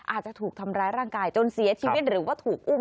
อาจจะถูกทำร้ายร่างกายจนเสียชีวิตหรือว่าถูกอุ้ม